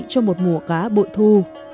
cho một mùa cá bội thu